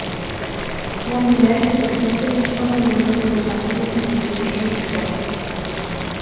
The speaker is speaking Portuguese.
Uma mulher e sua filha estão andando pela estação de metrô vestindo shorts